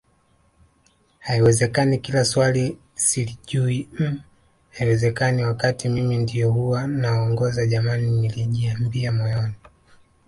Haiwezekani kila swali silijui mmh haiwezekani wakatii Mimi ndio huwa naongoza jamani nilijiambia moyoni